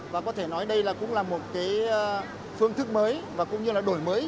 và có thể nói đây là cũng là một cái phương thức mới và cũng như là đổi mới